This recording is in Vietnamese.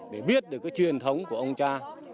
để biết được cái truyền thống của ông cha